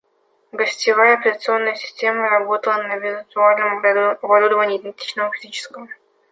Гостевая операционная система работала на виртуальном оборудовании, идентичному физическому